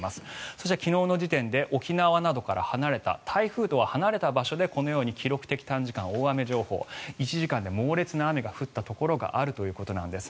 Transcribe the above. そして昨日の時点で沖縄などから離れた台風から離れた場所で記録的短時間大雨情報１時間で猛烈な雨が降ったところがあるということなんです。